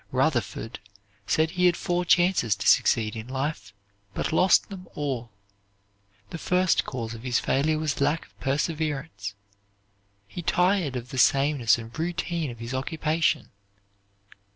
"Rutherford," said he had four chances to succeed in life, but lost them all. The first cause of his failure was lack of perseverance. He tired of the sameness and routine of his occupation.